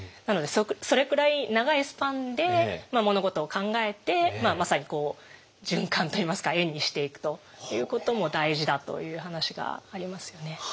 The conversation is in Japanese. なのでそれくらい長いスパンで物事を考えてまさにこう循環といいますか「円」にしていくということも大事だという話がありますよね。